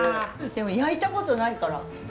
でも焼いたことないから。